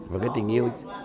và cái tình yêu